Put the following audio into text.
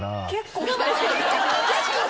結構。